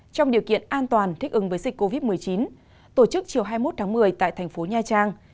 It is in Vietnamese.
trong điều kiện an toàn thích ứng với dịch covid một mươi chín tổ chức chiều hai mươi một tháng một mươi tại thành phố nha trang